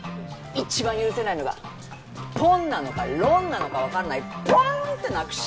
一番許せないのがポンなのかロンなのかわかんないプアンって鳴くし。